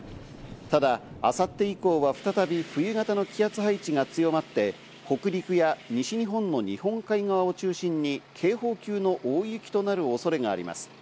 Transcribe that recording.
ただ明後日以降は再び冬型の気圧配置が強まって北陸や西日本の日本海側を中心に警報級の大雪となる恐れがあります。